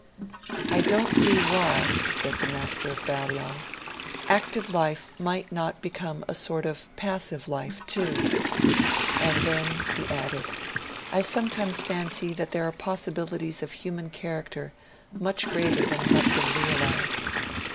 'I don't see why,' said the Master of Balliol, 'active life might not become a sort of passive life too.' And then, he added, 'I sometimes fancy there are possibilities of human character much greater than have been realised.'